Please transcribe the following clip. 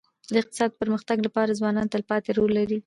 د اقتصاد د پرمختګ لپاره ځوانان تلپاتي رول لري.